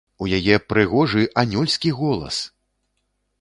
У яе прыгожы анёльскі голас!